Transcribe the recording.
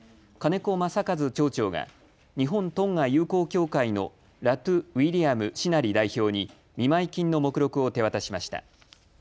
金子正一町長が日本トンガ友好協会のラトゥ・ウィリアム志南利代表に見舞い金の目録を手渡しました。